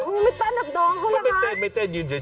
อ้าวไม่เต้นกับน้องเขาหรือคะไม่เต้นยืนเฉย